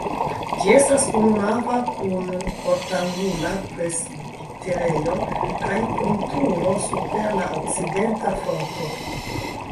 Ĝi estas ununava kun ortangula presbiterejo kaj kun turo super la okcidenta fronto.